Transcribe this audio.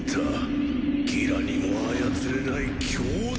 ギラにも操れない強大な力。